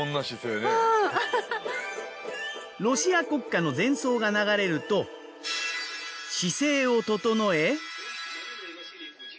ロシア国歌の前奏が流れると姿勢を整え。